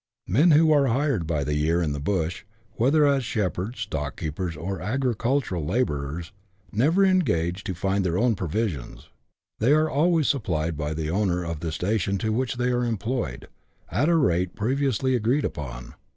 Men who are hired by the year in the bush, whether as shep herds, stock keepers, or agricultural labourers, never engage to find their own provisions ; they are always supplied by the owner of the station on which they are employed, at a rate previously agreed upon.